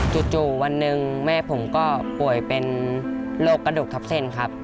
จู่วันหนึ่งแม่ผมก็ป่วยเป็นโรคกระดูกทับเส้นครับ